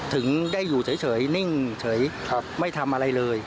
ถึงได้อยู่เฉยนิ่งเฉยไม่ทำอะไรเลย